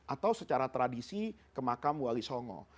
atau secara tradisi ke makam wali songo